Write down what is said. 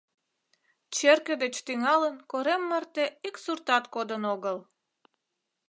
Черке деч тӱҥалын корем марте ик суртат кодын огыл.